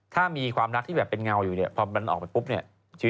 ถ้ามีความรักที่แบบเป็นเงาอยู่เนี่ยพอมันออกไปปุ๊บเนี่ย